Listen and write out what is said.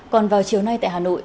còn vào chiều nay tại hà nội